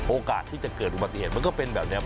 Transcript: โอกาสที่จะเกิดอุบัติเหตุมันก็เป็นแบบนี้